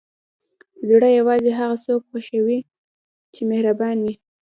زړه یوازې هغه څوک خوښوي چې مهربان وي.